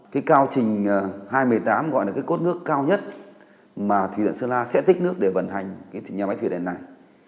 cái cao trình hai trăm một mươi tám gọi là cái cốt nước cao nhất mà thủy điện sơn la sẽ tích nước để vận hành cái nhà máy thủy điện này